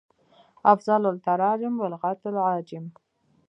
افضل التراجم بالغت العاجم